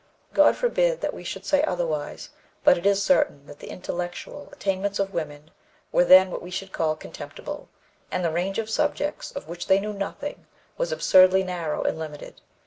God forbid that we should say otherwise, but it is certain that the intellectual attainments of women were then what we should call contemptible, and the range of subjects of which they knew nothing was absurdly narrow and limited.